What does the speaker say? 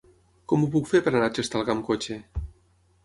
Com ho puc fer per anar a Xestalgar amb cotxe?